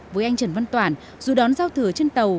với anh trần văn toản dù đón giao thừa trên tàu